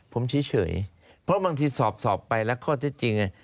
ผมเฉยเพราะบางทีสอบไปแล้วข้อเท็จจริงเนี่ย